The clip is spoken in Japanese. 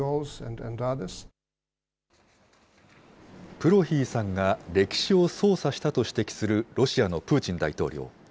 プロヒーさんが歴史を操作したと指摘するロシアのプーチン大統領。